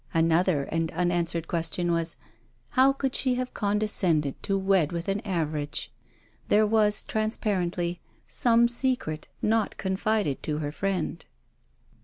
Another and unanswered question was, how could she have condescended to wed with an average? There was transparently some secret not confided to her friend.